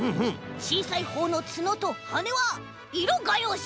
ちいさいほうのつのとはねはいろがようし。